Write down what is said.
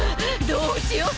どうしよう！？